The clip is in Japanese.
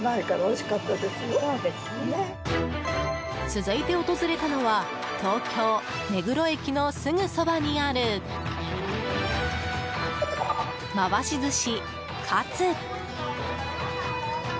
続いて訪れたのは東京・目黒駅のすぐそばにある回し寿司活。